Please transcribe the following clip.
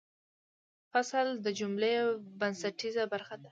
فعل د جملې بنسټیزه برخه ده.